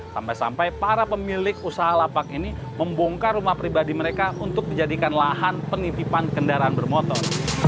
sampai sampai para pemilik usaha lapak ini membongkar rumah pribadi mereka untuk dijadikan lahan penitipan kendaraan bermotor